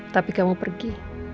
tapi kamu pergi